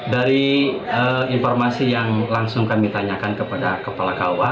dari informasi yang langsung kami tanyakan kepada kepala kua